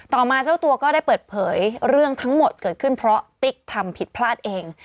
ต่อมาเจ้าตัวก็ได้เปิดเผยเรื่องทั้งหมดเกิดขึ้นเพราะติ๊กทำผิดพลาดเอง